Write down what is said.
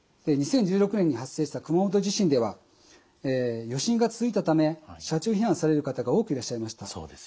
２０１６年に発生した熊本地震では余震が続いたため車中避難される方が多くいらっしゃいました。